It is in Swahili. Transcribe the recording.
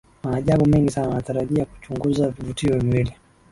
Maajabu mengi Sana Anatarajia kuchunguza vivutio viwili